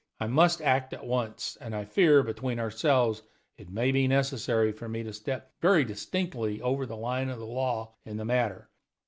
I must act at once; and I fear, between ourselves, it may be necessary for me to step very distinctly over the line of the law in the matter.